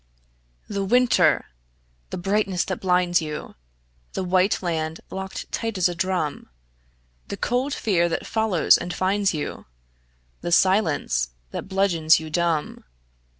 The winter! the brightness that blinds you, The white land locked tight as a drum, The cold fear that follows and finds you, The silence that bludgeons you dumb.